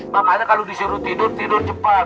makanya kalau disuruh tidur tidur cepat